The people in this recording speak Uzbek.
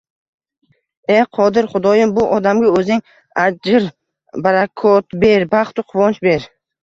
E qodir Xudoyim, bu odamga oʻzing ajr-barakot ber! Baxtu quvonch ber!